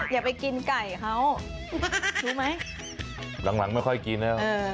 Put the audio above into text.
อย่าไปกินไก่เขารู้ไหมหลังไม่ค่อยกินแล้ว